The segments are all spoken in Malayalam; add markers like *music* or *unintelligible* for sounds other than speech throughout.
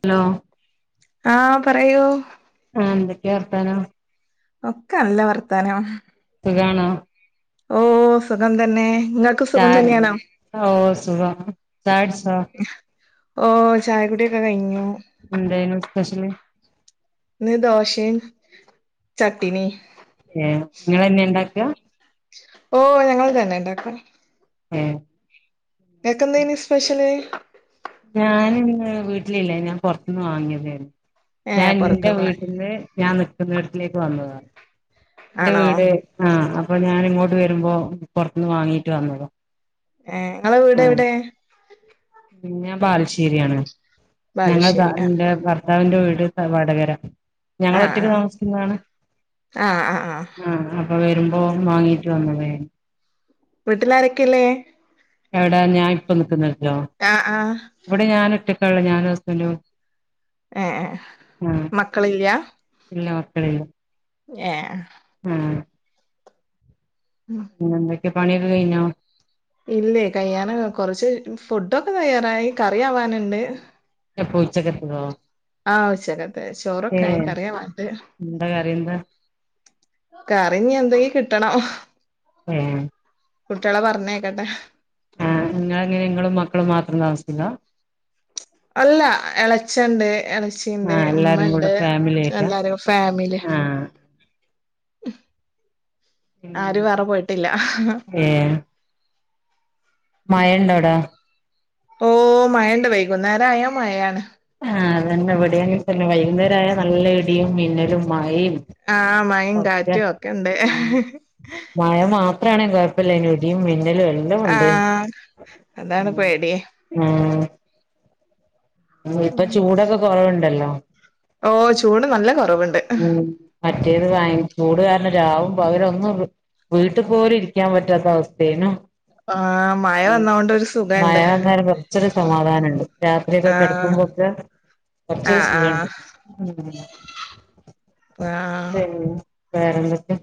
ഹലോ ആ പറയൂ. ആ എന്തൊക്കെയാ വർത്താനോ? ഒക്കെ നല്ല വർത്താനം. സുഖാണോ? ഓ സുഖം തന്നെ. നിങ്ങൾക്ക് ചാ സുഖം തന്നെയാണോ ഓ സുഖം, ചായ കുടിച്ചോ? ഓ ചായ കുടിയൊക്കെ കഴിഞ്ഞു. എന്തേനു സ്പെഷ്യല് ഇന്ന് ദോശയും ചട്ടിനിയും. ഏ നിങ്ങളെന്നെ ഇണ്ടാക്ക് ഓ ഞങ്ങൾ തന്നെ ഇണ്ടാക്കും ഏ നിങ്ങക്ക് എന്തേനി സ്പെഷ്യല് ഞാനിന്ന് വീട്ടിലില്ലെനി ഞാൻ പുറത്തിന്ന് വാങ്ങിതെനു ഏ ഞാൻ ന്റെ പുറത്തുന്ന് വീട്ട്ന്ന് ഞാൻ നിക്ക്ന്നേട്ത്തിലേക്ക് വന്നതാ എന്റെ ആണോ വീട് ആ അപ്പൊ ഞാനിങ്ങോട്ട് വരുമ്പോ പുറത്തിന്ന് വാങ്ങീട്ട് വന്നതാ ഏ നിങ്ങളെ വീട് ആ എവിടെ ഞാൻ ബാലുശ്ശേരിയാണ് ഞങ്ങൾ താ ബാലുശ്ശേരി ന്റെ ഭർത്താവിന്റെ വീ ഇത് തറവാട് പെര ആ ആ ഞങ്ങള് ഒറ്റയ്ക്ക് താമസിക്കുന്നാണ് ആ ആ ആ ആ ആ അപ്പ വരുമ്പോ വാങ്ങീട്ട് വന്നതേനി വീട്ടിൽ ആരൊക്കെയിള്ളേ എവിടാ ഞാൻ ഇപ്പ നിക്കുന്നട ലോ ആ ആ ഇവിടെ ഞാന് ഒറ്റയ്- ട്ടുള്ളു ഞാനും ഹസ്ബന്റും. ഏയ് ആഹ് മക്കളില്ല്യ. ഇല്ല മക്കളില്ല. ങ്ങ്യഹ് ആഹ്. ഉം. പിന്നെന്ത്. പണി ഒക്കെ കഴിഞ്ഞോ ഇല്ലേ കൈയ്യാന് കൊറച്ച് ഫുഡൊക്കെ തയ്യാറായി കറി ആവാന്ണ്ട്. എപ്പോ ഉച്ചക്കത്തതോ ആഹ് ഉച്ചകത്തെ ചോറൊക്കെ ആയി ഏഹ് കറിയാവാനിണ്ട് എന്താ കറിയെന്താ കറി ഇനിയെന്തങ്കിലും ട്ടണം ഏഹ് കുട്ടികളെ പറഞ്ഞേക്കട്ടെ ആ നിങ്ങള അങ്ങനെ നിങ്ങളും മക്കളും മാത്രംതാമസിക്കുന്നെ അല്ല ഇളച്ചണ്ട് എളേ ചച്ചിയണ്ട് ആഹ് ഉമ്മ എല്ലാരും കൂടെ ഉണ്ട് ഫാമിലി ആയിട്ടാ എല്ലാരും ഫാമിലി ആഹ് ഉ ആരും വേറെ പോയിട്ടില്ല മയണ്ടോടാ ഓ മഴണ്ട വൈകും നേേരം അയാ മഴാണ് പിന്നെ വൈകുന്നേരമായ നല്ല ഇടിയും മിന്നലും മയയും ആഹ മയും കാറ്റും ഒക്കെ ഇണ്ട് ത്രാണ കൊയപ്പലായ്ന് ഇടിയും മിന്നലും ല വെല്ല ഉണ്ട് ആഹ് അതാണ് പേടി ആ ചൂടൊക്കെ കൊറവുണ്ടല്ലോ ഓ ചൂട് നല്ല കുറവുണ്ട് ഉ പറ്റിയത് വാങ്ങ ചൂട് കാരണം രാവും അവരൊന്നും വീട്ടിൽ പോലും ഇരിക്കാൻ പറ്റാത്ത അവസ്ഥേനു ആഹ് മഴ വന്നോണ്ട് ഒരു മഴ സുഖണ്ട് വന്നാലും കുറച്ചൊരു സമാധാനംഉ ണ്ട് രാത്രിയക്കെ ആഹ് കെടക്കുമ്പോക്കെ കൊറച്ചരു ആഹ് സുഖം ആഹ് കിട്ടും ആ വേറെന്തൊക്കെ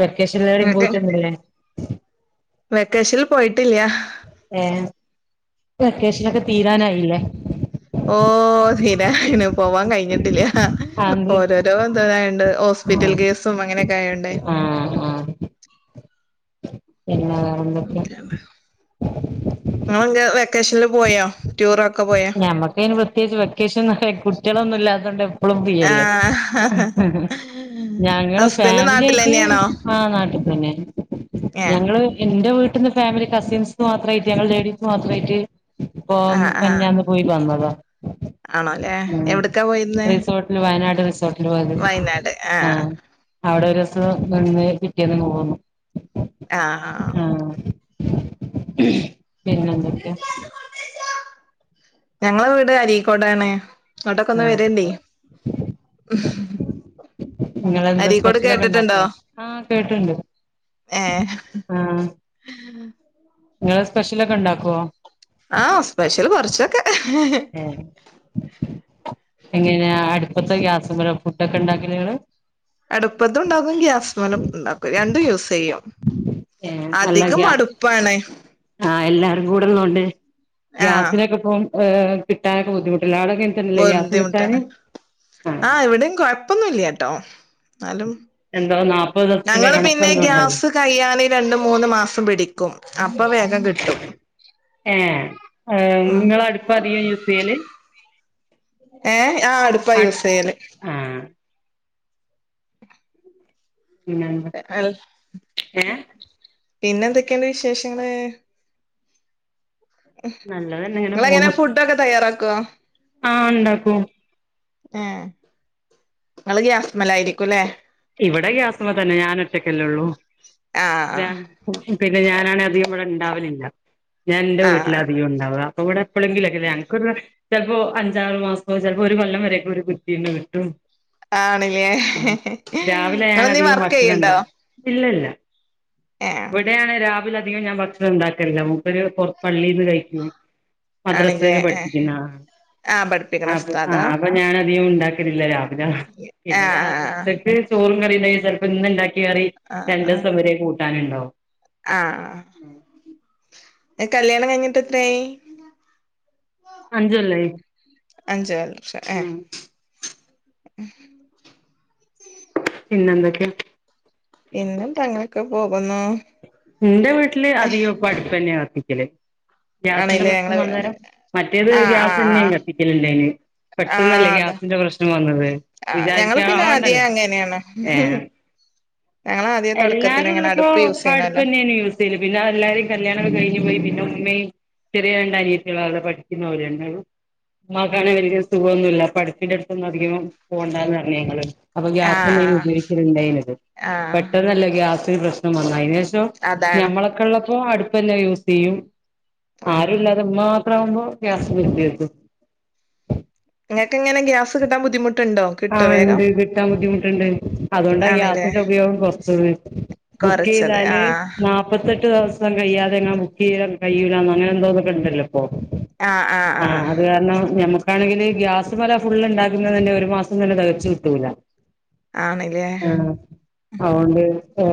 വെക്കേഷൻ എവിടങ്കയും പോയിട്ടുന്നല്ലേ വെക്കേഷനിൽ പോയിട്ടില്ല ഏ വെക്കേഷനൊക്കെ തീരാനായില്ലേ ഓ ശരിയാണ് പോവാൻ കഴിഞ്ഞിട്ടില്ലേ ആ ആന്തേ ഓരോരോ എന്തോണ്ട് ഹോസ്പിറ്റൽ കേസും അങ്ങനെ ആഹ ആഹ ങ്ക വെക്കേഷനിൽ പോയോ ടൂറൊക്കെ പോയോ ഞമ്മക്കതിന് പ്രത്യേകിച്ച് വെക്കേഷൻ കുട്ടികളൊന്നുംല്ലാത്ത കൊണ്ട് എപ്പഴും ഫ്രീയല്ലേ ആഹ് ഞങ്ങള് ഹസ്ബൻഡ് ഫാമിലി നാട്ടിൽ ആയിട്ട് തന്നെയാണോ ആ നാട്ടിൽ തന്നെ ഏ ഞങ്ങള് എന്റെ വീട്ട വീട്ടുന്ന ഫാമിലി കസിൻസ് മാത്രമായിട്ട് ഞങ്ങൾ ലേഡീസ് മാത്രമായിട്ട് ഇപ്പം ആഹ് ആഹ് കന്യാന്ന് തനതാ ആണോല്ലേ എവിടക്കാ പോയിന്ന് റിസോർട്ടില് വയനാട് റിസോർട്ടില് പോയത് വയനാട് ആ ആഹ് അവിടെ ഒരുസം നിന്ന് പിറ്റേന്ന് ഇങ്ങു പോന്നു ആ ആ പിന്നെന്തൊക്കെ ഞങ്ങള് വീട് അരീക്കോടാണ് ഇങ്ങോട്ടൊക്കെ ഒന്ന് വരോണ്ടി ആഹ് *unintelligible* നിങ്ങള് അരീക്കോട് സ്പെഷ്യൽ ഒക്കെ കേട്ടിട്ടുണ്ടോ ഇണ്ടാക്കോ ഏഹ് നിങ്ങള് സ്പെഷ്യലൊക്കെ ഉണ്ടാക്കുവോ ആഹ് സ്പെഷ്യൽ കൊറച്ചൊക്കെ ഏഹ് എങ്ങനെയാ അടുപ്പത്തോ ഗ്യാസ്മേലോ ഫുഡ് ഒക്കെ ഉണ്ടാക്കല് നിങ്ങള് അടുപ്പത്തുണ്ടാക്കും ഗ്യാസ്മാലും ഉണ്ടാക്കും രണ്ടും യൂസ് ചെയ്യും അധികം അടുപ്പണ് ആ എല്ലാരും കൂടെ ഉള്ളോണ്ട് ആഹ് ഗ്യാസിനോക്കെ ഇപ്പം ഏ് കിട്ടാനൊക്കെ ബുദ്ധിമു ബന്ധിമുട്ടാണ് ആഹ് ആ ഇവിടെയും കുഴപ്പോന്നും ഇല്ലട്ടോ എന്നാലും എന്തോ നാപ്പത് ദിവസത്തിന്റെ ഞങ്ങള് പിന്നെ കണക്കെന്തോ ഉണ്ടല്ലോ ഗ്യാസ് കഴിയാന് രണ്ടു മൂന്ന് മാസം പിടിക്കും അപ്പൊ വേഗം കിട്ടും ഏ ഉം നിങ്ങള് അടുപ്പ അധികം യൂ സെയാല് ഏ ആ അടുപ്പ യൂസെയാല് ആഹ് പിന്നെന്താ ഏ പിന്നെ എന്തൊക്കെയുണ്ട് വിശേഷങ്ങള് നല്ലതന്നെ നിങ്ങള് എങ്ങനെ ഫുഡ് ഒക്കെ തയ്യാറാ ക്കാ ആ ഉണ്ടാക്കും ഏ ഇങ്ങള് ഗ്യാസ്മേലായിരിക്കുല്ലേ ഇവിടെ ഗ്യാസ്മേ തന്നെ ഞാൻ ഒറ്റക്കല്ലേ ഉള്ളൂ ആഹ് വേ *unintelligible* പിന്നെ ഞാനാണേ അധികം ഇവിടെ ഇണ്ടാവലില്ല ഞാൻ എന്റെ ആഹ് വീട്ടിലാ അധികം ഇണ്ടാവാ. അവിടെ എപ്പോളെങ്കിലോക്കല്ലേ ഞങ്ങക്ക് ഒരു വാ ചിലപ്പോ അഞ്ചാറു മാസം ചിലപ്പോ ഒരു കൊല്ലം വരെയൊക്കെ ഒരു കുറ്റിന്ന് കിട്ടും. ആണില്ലേ രാവിലെ ഞാൻ നിങ്ങളെന്തേലും അധികവും വർക്ക് ഭക്ഷണം ഇണ്ട ചെയ്യണ്ടോ ഇല്ലല്ല ഏഹ് ഇവിടെയാണ് രാ രാവിലെ അധികം ഞാൻ ഭക്ഷണം ഉണ്ടാക്കല്ല മുപ്പര് പെറ പള്ളിന്ന് കഴിക്കും. ആണില്ലേ മദ്രസല് ഏഹ് പഠിപ്പിക്കുന്ന ആളാ ആഹ് പഠിപ്പിക്കണ ആഹ് അപ്പം ആഹ് ഞാന് *unintelligible* ഉണ്ടാക്കില്ലല്ല രാ ആഹ് ആഹ് ഉച്ചക്ക് ആഹ്. ചോറും കറിയെണ്ടിങ്കി ചെലപ്പം ഇന്ന് ഉണ്ടാക്കി റി ആഹ് ആഹ് രണ്ടേസം വെരെ കൂട്ടാനുണ്ടാവും. ഏ കല്യാണം കഴിഞ്ഞിട്ട് എത്രായി അഞ്ച്കൊല്ലായി വർഷം ഏഹ് ഉം *unintelligible* പിന്നെന്തൊക്കെ പിന്നെന്താ അങ്ങനെയൊക്കെ പോകുന്നു ഇന്റെ വീട്ടില് അധികം ഇപ്പ അട്പ്പന്നെയാ നിത്യല്ലെ ഗ്യാസിന്റെ ആണല്ലേ പ്രശ്നം ഞങ്ങള് വന്നേരം മറ്റേത് ആഹ് ആഹ് ഗ്യാസന്നേനി കത്തിക്കല് ഇണ്ടായിനിയെ ആഹ് പെട്ടന്നല്ലേ ആഹ് അതാ ഗ്യാസിന്റെ പ്രശ്നം വന്നത് ആഹ് ഞങ്ങള് പിന്നെ ആദ്യേ വിചാരിക്ക്യാണ്ടല്ലേ അങ്ങനെയാണ് ഏ ഞങ്ങള് ആദ്യേ തൊടക്കത്തില് ഇങ്ങനെ എല്ലാരുള്ളപ്പൊ അടുപ്പ് യൂസ് ചെയ്യണല്ലോ അട്പ്പന്നേനി യൂസെയ്യല് പിന്നാ എല്ലാരിം കല്യാണൊക്കെ കഴിഞ്ഞ്പോയി പിന്നെ ഉമ്മയും ചെറിയ രണ്ട് അനിയത്തിളാ ഉള്ളെ പഠിക്ക്ന്ന് ഓല് രണ്ടാളും ഉമ്മാക്കാണെ വല്ല്യാ സുഖൊന്നുല്ലാ അപ്പ അടിപ്പിന്റെ അടുത്തൊന്നും അധികവും പോവണ്ടാന്ന് പറഞ്ഞ് ഞങ്ങള് അപ്പം ആഹ് ഗ്യാസ്തന്നേനി ആഹ് ഉപയോഗിക്കല് ഇണ്ടായിന്നത് ആഹ് പെട്ടെന്നല്ലേ ഗ്യാസ് ഒര് പ്രശ്നവന്ന് അയ്നേശ് *unintelligible* അതാണ് ഞങ്ങളൊക്കള്ളപ്പോ അടുപ്പന്നെ യൂസ് തീയും ആഹ് ആരുല്ലാതെ ഉമ്മാ *unintelligible* ഗ്യാസ് *unintelligible* നിങ്ങക്കെങ്ങനാ ഗ്യസ് കിട്ടാൻ ബുദ്ധി മുട്ട് ആ ഒണ്ട് കിട്ടാൻ ബുദ്ധിമെട്ട്ണ്ട് അതെണ്ടാ ആണല്ലേ ഗ്യാസിന്റെ ഉപയോഗം കൊറച്ചത് ബുക്ക് കൊറച്ചത് ചെയ്താല് ആഹ് നാപ്പത്തെട്ട് ദെവസം കഴ്യാതെങ്ങാ ബുക്ക് ചെയ്ൻ കഴിയു ലാ അങ്ങന എന്തോന്നക്കെ ഉണ്ടല്ലോ ഓ ആഹ് ആഹ് ആ ആഹ് അത് കാരണം ഞമ്മ ഇവടാണെങ്കിൽ ഗ്യാസ് പല ഫുള് ഉണ്ടാക്കുന്നതിന് ഒര് മാസം സം തന്നെ തികച്ച് കിട്ടൂല്ല. ആണല്ലേ ആ അതോണ്ട് ആാ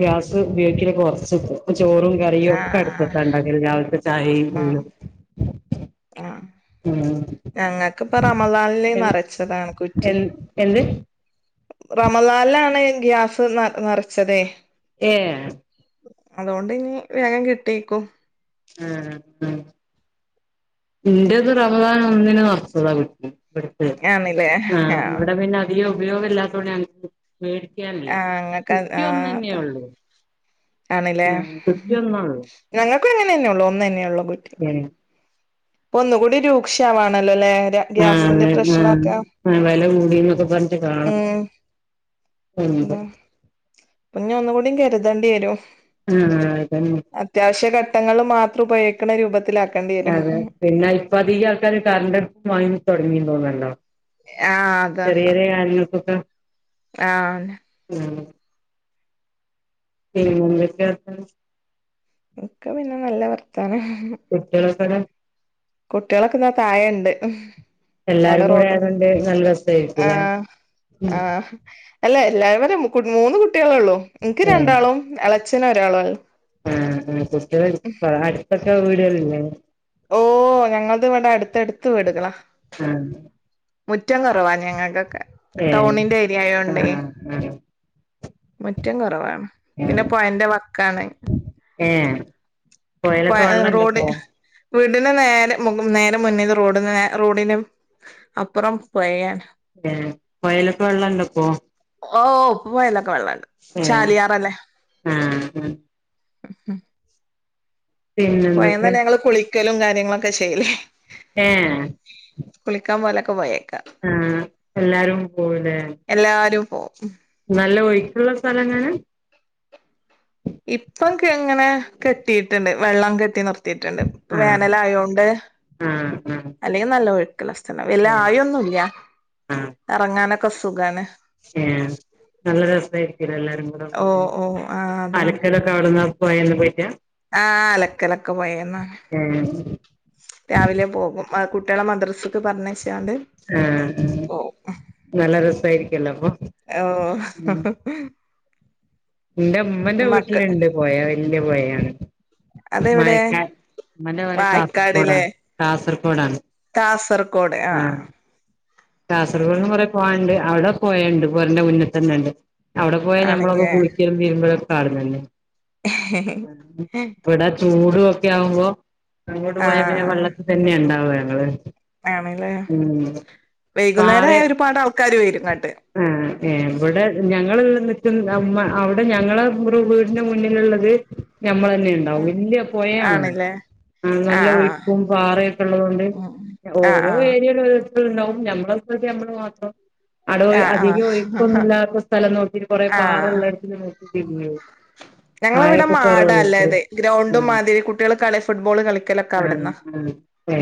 ഗ്യാസ് ഉപയോഗിക്ക്യാല്ല് കൊറച്ച് ഇപ്പം ചോറും കറിയും ഒക്കെ ആഹ് ആഹ് അടുപ്പത്തണ്ടക്കല് രാവിലത്തെ ചായെയും ആഹ് *unintelligible* ഞങ്ങൾക്കിപ്പ റമളാലിൽ എൻ നിറച്ചതാണ് കുറ്റി എൻ *unintelligible* റമളാനിലാ ണ് ഗ്യാസ് ന നറച്ചതേ ഏ അതുകൊണ്ടിനി വേഗം കിട്ടീക്കും ആ ആ ഇന്റെറത് റമദാൻ ഒന്നിന് നറച്ചതാ കുറ്റി ഇവിടു ആണില്ലേ ആ ആഹ് ഇവിടെ പിന്നെ അധികോം *unintelligible* ആ ഇങ്ങക്ക് ആ താ. ഉള്ളൂ ആണില്ലേ. ആഹ് കുറ്റി ഒന്നൊള്ളൂ ഞങ്ങൾക്കും അങ്ങനെന്നെ ഒള്ളു. ഒന്നന്നെള്ളൂ കുറ്റി. ഏഹ് പ്പൊന്നു കൂടി രൂക്ഷാവാണ്. ആഹ് ആഹ് വെല കൂടീന്നൊക്കെ പറഞ്ഞിട്ട് കാണാ ഉം *unintelligible* പ്പഞ്ഞ് ഒന്നും കൂടി കരുതണ്ടിയേരും. ആഹ് അതന്നെ അത്യാവശ്യ ഘട്ടങ്ങൾല് മാ ത്രുപയോഗിക്കണ രൂപത്തിലാ അതെ. പിന്നെ ഇപ്പ അധികാൾക്കാരും കറൻ്റടുപ്പും വാങ്ങി തൊടങ്ങീന്നു തോന്ന് ണ്ടൊ ആഹ് അതാ ചെറിയ ചെറിയ കാര്യങ്ങൾക്കൊക്കെ ആഹ് നെ. *unintelligible* ഉം *unintelligible* ഹലോ ഒക്ക പിന്നെ നല്ല വർത്ത പറി അതെ കുട്ടികളൊക്കെ ഇതാ താഴെ ഇണ്ട്. എല്ലാരും കൂടെ അതുകൊണ്ട് നല്ല രസായിരിക്കൂലേ ആഹ് ഉം. ആഹ് അല്ല എല്ലാവരും മൂന്ന് കുട്ടികളെ ഉള്ളൂ. എനിക്ക് ഏഹ് രണ്ടാളും എ അച്ഛന് ഒരാള്. ആഹ് കുട്ടികളെ അടുത്തടുത്ത്. വീടുകള് ഇല്ലേ. ഓ ഞങ്ങളത് ഇവിടെ അടുത്തടുത്ത് വീടുകളാ ആ മുറ്റം കുറവാ ഞങ്ങക്കൊക്കെ ഏഹ് ടൗണിന്റെ ഏരിയായോണ്ടേ ആഹ് ആഹ് മുറ്റം കുറവാ പിന്നെ പൊയേന്റെ വക്കാണ് ഏ പൊ അ റോഡ് വീടിന് നേരെ മു നേരെ മുന്ന്ന്ന് റോഡ് ന്ന് റോഡിനും അപ്പുറം പൊയയാണ് ഏ പൊയയിലൊക്കെ വെള്ളണ്ടൊപ്പോ ഓ ഇപ്പൊ പൊയേലൊക്കെ വെള്ളായി ഏ ആഹ ഉ ഹും പിന്നെന്തൊക്കെ പൊയേന്നല്ലേ ഞങ്ങള് കുളി ക്കലും കാര്യങ്ങളൊക്കെ ചെയ്യല് ഏ പൊയേക്ക് ആ എല്ലാരും പോവു ലെ പോം നല്ല ഒയ്ക്ക്ള്ള സ്ഥലങ്ങാനാ ഇപ്പം കെ ഇങ്ങനെ കെട്ടീട്ട്ണ്ട് വെള്ളം കെട്ടിനിർ ത്തിട്ടുണ്ട് ഇപ്പ ആഹ് വേനലായോണ്ട് ആഹ് ആഹ് അല്ലെങ്കി നല്ല ഒഴ് ക്ക് ഇള്ള സ്ഥലാ വല്ല്യ ഏഹ് ആയൊന്നും ഇല്ല്യ എറങ്ങാന ക്ക സുഖാണ് ഏ നല്ല രസായി ക്കൂലേ എല്ലാരും കൂടെ ഓ പോകുമ്പൊ ഓ ആ അതാണ് അലക്കലൊക്കെ അവിടുന്നാ പൊയേന്ന് പോയിട്ടാ ആ അലക്കലൊക്കെ പൊയേന്നാ ഏഹ് രാവിലെ പോകും അഅ് കു ട്യോളെ മദ്രസക്ക് പറഞ്ഞയച്ച് ആ *inaudible* നല്ല രസായിരിക്കല്ലോ അപ്പൊ ഓ ഇന്റെ ഉമ്മന്റെ മക്ക വീട്ടില്ണ്ട് പൊയാ വൽ ല്ല്യ പൊയയാണ് അതെവിടെ പൊര കാസർഗോഡാണ് വായക്കാട് ലേ കാസർഗോഡാണ് കാസർകോഡ് ആ കാസർഗോഡ് ആ ന്ന് കൊറെ പോവാണ്ട് അവിടെ പൊയണ്ട് പൊരേന്റെ മുന്നിത്തന്നെണ്ട് അവിടെ പോയാ ഞമ്മളൊക്കെ ആണല്ലേ കുളിക്കും തിരുമ്പലും ഒ കാണുന്നുണ്ട് ഇബടെ ചൂ അത് ഓക്കെ ആകുമ്പോ അങ്ങോട് ആ പോയ പിന്നെ വള്ളത്തിൽ തന്നെ ഇണ്ടാവ ഇങ്ങള് ആണ് ല്ലേ വൈകുന്നേര പാറെ ആയ ഒരുപാട് ആൾക്കാര് വരും ഇങ്ങട്ട് ഇങ്ങൾ നിക്ക് അവിടെ ഞങ്ങള വീടിന്റെ മുന്നിലുള്ളത് നമ്മള് തന്നെ ഇണ്ടാവും ഉം വല്യ പപൊ ഴയാണല്ലോ. ആണല്ലേ നല്ല ആഹ് ആഹ് ഒഴുക്കും പാറയും ഒക്കെ ഉള്ളത് കൊണ്ട് ഉം ആഹ് ഓരോ ആഹ് ഏരിയയിലും *unintelligible* *unintelligible* ഞമ്മള് മാത്രം അവിടെ അധികം ആഹ് ഒഴുക്കൊന്നും ആഹ് ഇല്ലാത്ത സ്ഥലം നോക്കി കൊറെ ആഹ് പാറള്ളോട്ത് നോക്കി തിരുമ്പി ഞങ്ങളിവിടെ ആഴയൊക്കെ കൊറവുള്ളടുത്ത് മാടാല്ലത് ഗ്രൗണ്ടും ആ മാതിരി കുട്ടികൾ കളി ഫുട്ബോൾ കളിക്കലൊക്കെ അവിടുന്നാ അ അ ഏ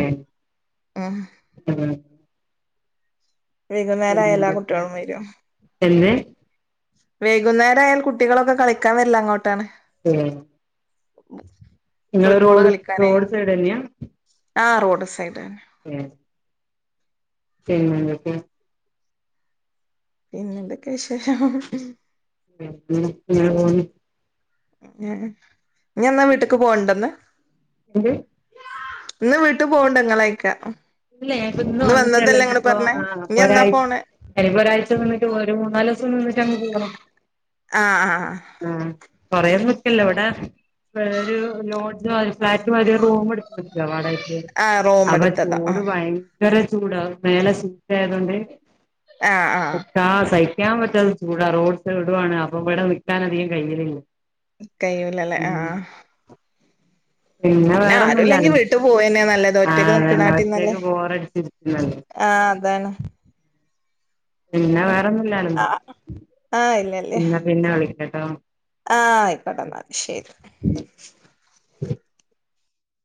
ഉം അ വൈകുന്നേരം ആയ എല്ലാ കുട്ടിയ ളും വരും എന്ത് വൈകുന്നേരായാൽ കുട്ടികളൊക്കെ കളിക്കാൻ വര്ല്ലേ അങ്ങോട്ട് ആണ് ഉം ഉ *unintelligible* നിങ്ങള് റോഡ് റോഡ്സൈഡ് ന്നെയാ ആ റോഡ് സൈഡ് ഉം എങ്ങനത്തെ എന്തൊക്കെ വിശേഷം ഉം ഉ അങ്ങനെ പോന്നു ഉം ഞാ എന്ന വീട്ടക്ക് പോവ്ണ്ടോന്ന് *unintelligible* ഇന്ന് വീട്ടു പോണ്ടങ്ങളൈക്കാ ഇല്ല ഞൻ പ്പം ഇന്ന് വന്നിട്ടേള്ളു ഇനിയിപ്പോ ആ ഇനി എന്നാ ഒരാഴ് പോണേ എനിപ്പോ ഒരാഴ്ച നിന്നിട്ട് ഒരു മൂന്നാല് ദിവസം നിന്നിട്ട് അങ്ങ് പോണം ആഹ് ആഹ് ആ കൊറേ നിക്ക്ല്ലേ ഇവിടെ വേറരു ലോട്ജോ ഫ്ലാറ്റ് മാതിരി ഒരു റൂം എ ജ വാടകക്ക് ആ റൂം അപ്പൊ എടുത്തതാ ആ ചൂട് ഭയങ്കര ചൂടാ മേലെ സീറ്റ് ആയത് കെണ്ട് ആഹ് ആഹ് അ സത് നിക്കാൻ പറ്റാത്ത ചൂടാ റോഡ് സൈഡുവാണ് അപ്പൊ ഇവ്ടെ നിക്കാൻ അധികം കഴിയലില്ല കഴിയൂലല്ലേ ആ പിന്നെ ആരുല്ലെങ്കിൽ വീട്ടുക്ക് പോണയ നല്ലത് ആ ഒറ്റക്ക് അതന്നെ നിക്കണാട്ടിലും നല്ല ഒറ്റക്ക് ബോറടിച്ചിരിക്കുന്നല്ലേ ആഹ് അതാണ് പിന്നെ വേറെന്നുല്ലായിരുന്നു ആഹ് ആഹ് ഇല്ലല്ലേ ന്ന പിന്നെ വിളി ഇട്ടട്ടും ആഹ് ആയിക്കോട്ടെ ന്നാ ശരി